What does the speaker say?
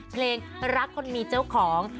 เพลงรักคนมีเจ้าของ